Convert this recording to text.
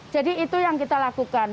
jadi itu yang kita lakukan